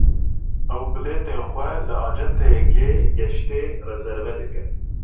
Ew, bilêtên xwe li acenteyeke geştê rezerve dikin?